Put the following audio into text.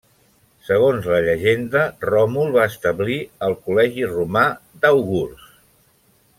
Segons la llegenda, Ròmul va establir el col·legi romà d'àugurs.